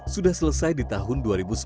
sudah selesai di tahun dua ribu sembilan belas